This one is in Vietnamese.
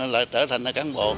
lại trở thành là cán bộ